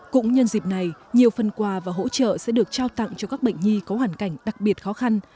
cũng nhân dịp này nhiều phần quà và hỗ trợ sẽ được trao tặng cho các bệnh nhi có hoàn cảnh đặc biệt khó khăn